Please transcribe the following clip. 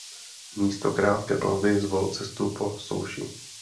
Místo krátké plavby zvolil cestu po souši.